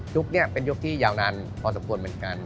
นี้เป็นยุคที่ยาวนานพอสมควรเหมือนกัน